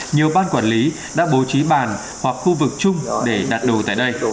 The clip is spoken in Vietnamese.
nhiều ban quản lý đã bố trí bàn hoặc khu vực chung để đặt đồ tại đây